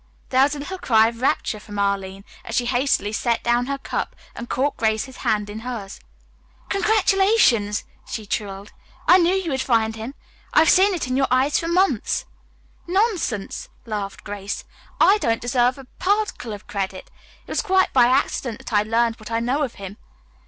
There was a little cry of rapture from Arline as she hastily set down her cup and caught Grace's hand in hers. "Congratulations," she trilled. "I knew you'd find him. I've seen it in your eye for months." "Nonsense," laughed Grace, "I don't deserve a particle of credit. It was quite by accident that I learned what I know of him."